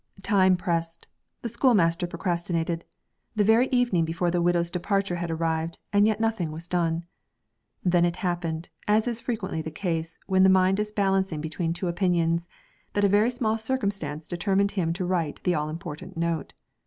Time pressed; the schoolmaster procrastinated; the very evening before the widow's departure had arrived, and yet nothing was done. Then it happened, as is frequently the case when the mind is balancing between two opinions, that a very small circumstance determined him to write the all important note.